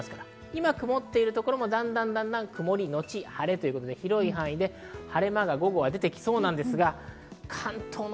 今、曇っているところもだんだんと曇りのち晴れということで広い範囲で晴れ間が午後はでてきそうです。